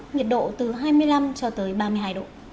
nhiệt độ từ hai mươi năm cho tới ba mươi hai độ